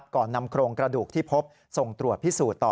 ก่อนนำโครงกระดูกที่พบส่งตรวจพิสูจน์ต่อ